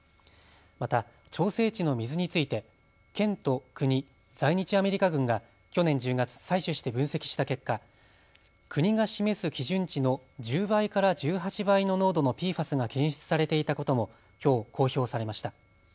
また調整池の水について県と国、在日アメリカ軍が去年１０月、採取して分析した結果、国が示す規準値の１０倍から１８倍の濃度のＰＦＡＳが検出されていたこともきょう公表されました。